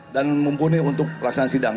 dan mumpuni untuk pelaksanaan sidang